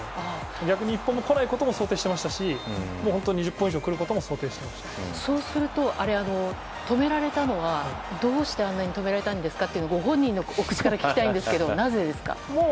逆に１本も来ないことも想定していましたし本当２０本以上来ることもそうすると、止められたのはどうしてあんなに止められたのかご本人のお口から聞きたいんですけど、なぜですか。